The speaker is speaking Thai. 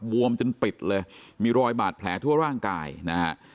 วมจนปิดเลยมีรอยบาดแผลทั่วร่างกายนะฮะ